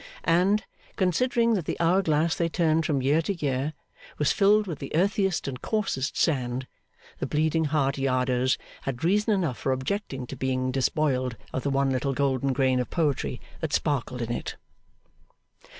And, considering that the hour glass they turned from year to year was filled with the earthiest and coarsest sand, the Bleeding Heart Yarders had reason enough for objecting to be despoiled of the one little golden grain of poetry that sparkled in it.